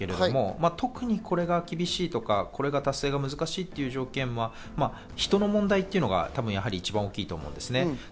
感染症の専門家から見て、特にこれが厳しいとか達成が難しいという条件は、人の問題というのが一番大きいと思うんです。